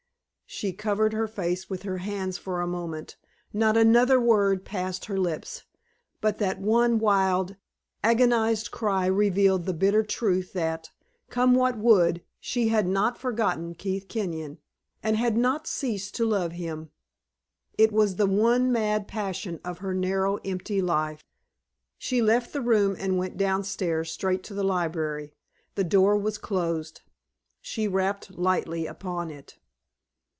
She covered her face with her hands for a moment. Not another word passed her lips, but that one wild, agonized cry revealed the bitter truth that, come what would, she had not forgotten Keith Kenyon, and had not ceased to love him. It was the one mad passion of her narrow, empty life. She left the room and went down stairs straight to the library. The door was closed. She rapped lightly upon it.